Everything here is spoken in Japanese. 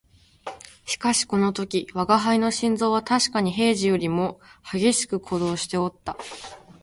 しかしこの時吾輩の心臓はたしかに平時よりも烈しく鼓動しておった